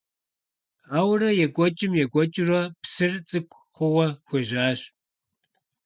Ауэрэ екӀуэкӀым - екӀуэкӀыурэ, псыр цӀыкӀу хъууэ хуежьащ.